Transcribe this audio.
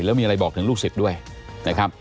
แล้วมีอะไรบอกถึงลูกศิษย์ด้วยนะครับ